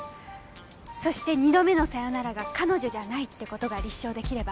そして２度目の「さよなら」が彼女じゃないって事が立証出来れば。